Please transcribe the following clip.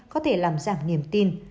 có thể làm giảm niềm tin